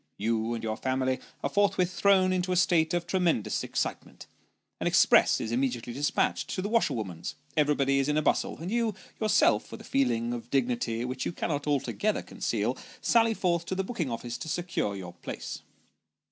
You and your family are forthwith thrown into a state of tremendous ex citement ; an express is immediately despatched to the washerwoman's ; everybody is in a bustle ; and you, yourself, with a feeling of dignity which you cannot altogether conceal, sally forth to the booking office to secure your place.